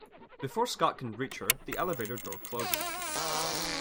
Before Scott can reach her, the elevator door closes.